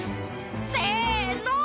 せの！」